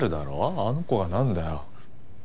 あの子がなんだよ？